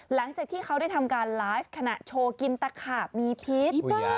หลังจากที่เขาได้ทำการไลฟ์ขณะโชว์กินตะขาบมีพิษ